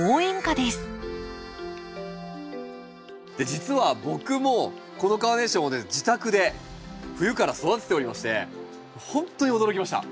実は僕もこのカーネーションを自宅で冬から育てておりましてほんとに驚きました。